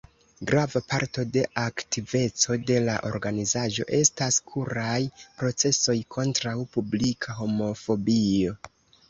Grava parto de aktiveco de la organizaĵo estas juraj procesoj kontraŭ publika homofobio.